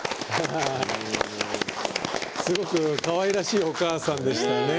すごくかわいらしいおかあさんでしたね。